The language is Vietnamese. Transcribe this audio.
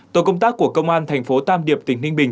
tổ công tác của công an thành phố tam điệp tỉnh ninh bình